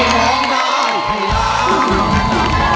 ร้องได้